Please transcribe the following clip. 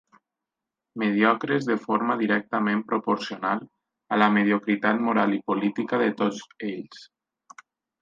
Mediocres de forma directament proporcional a la mediocritat moral i política de tots ells.